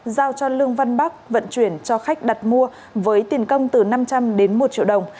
giao cho lương văn bắc vận chuyển cho khách đặt mua với tiền công từ năm trăm linh đến một triệu đồng